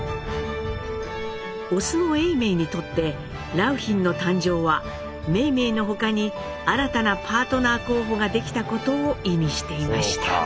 オスの永明にとって良浜の誕生は梅梅のほかに新たなパートナー候補ができたことを意味していました。